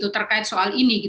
terkait soal ini